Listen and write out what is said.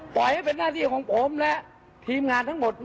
ปล่อยให้เป็นหน้าที่ของผมและทีมงานทั้งหมด